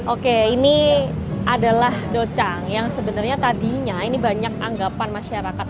oke ini adalah docang yang sebenarnya tadinya ini banyak anggapan masyarakat